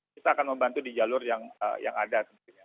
kita akan membantu di jalur yang ada tentunya